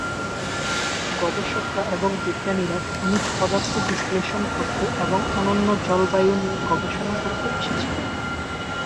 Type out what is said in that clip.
গবেষকরা এবং বিজ্ঞানীরা খনিজ পদার্থ বিশ্লেষণ করতে এবং অনন্য জলবায়ু নিয়ে গবেষণা করতে এসেছিলেন।